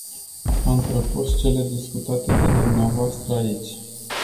Am propus cele discutate de dvs. aici.